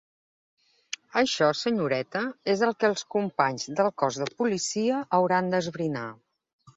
Això, senyoreta, és el que els companys del cos de policia hauran d'esbrinar.